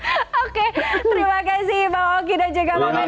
oke terima kasih bang oki dan jaga momeda sukses